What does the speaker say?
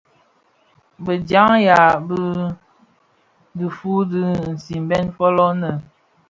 Bi djaň ya i dhufuu dhi simbèn fōlō nnë.